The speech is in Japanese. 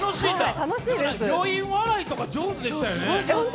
余韻笑いとか上手でしたよね。